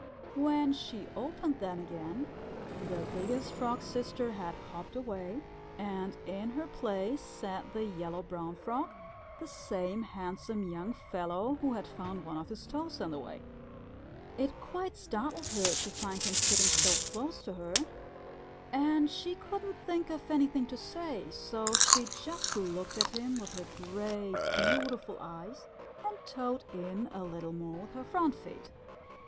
When she opened them again, the Biggest Frog's Sister had hopped away, and in her place sat the Yellow Brown Frog, the same handsome young fellow who had found one of his toes in the way. It quite startled her to find him sitting so close to her and she couldn't think of anything to say, so she just looked at him with her great beautiful eyes and toed in a little more with her front feet.